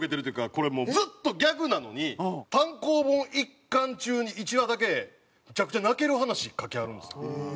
これもうずっとギャグなのに単行本１巻中に１話だけむちゃくちゃ泣ける話描きはるんですよ。